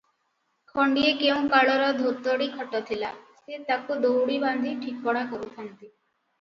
ଖଣ୍ଡିଏ କେଉଁ କାଳର ଧୋତଡ଼ି ଖଟ ଥିଲା, "ସେ ତାକୁ ଦଉଡ଼ି ବାନ୍ଧି ଠିକଣା କରୁଥାନ୍ତି ।